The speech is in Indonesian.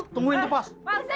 tungguin tuh pos